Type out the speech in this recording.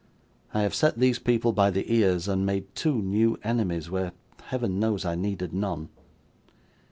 I have set these people by the ears, and made two new enemies, where, Heaven knows, I needed none.